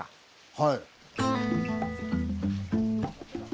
はい。